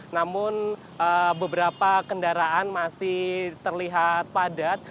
namun beberapa kendaraan masih terlihat padat